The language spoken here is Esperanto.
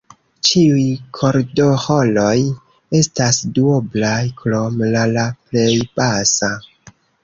Ĉiuj kordoĥoroj estas duoblaj, krom la La plej basa.